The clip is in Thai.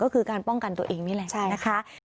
ก็คือการป้องกันตัวเองนี่แหละนะคะ